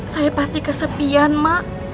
saya pasti kesepian mak